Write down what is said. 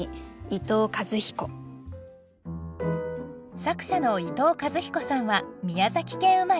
作者の伊藤一彦さんは宮崎県生まれ。